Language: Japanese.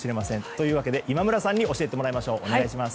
というわけで、今村さんに教えてもらいましょう。